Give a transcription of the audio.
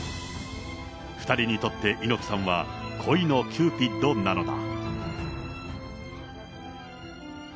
２人にとって猪木さんは、恋のキューピッドなのだ。